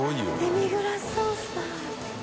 デミグラスソースだ。